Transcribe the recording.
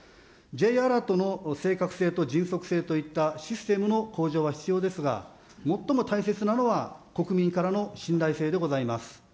Ｊアラートの正確性と迅速性といったシステムの向上は必要ですが、最も大切なのは、国民からの信頼性でございます。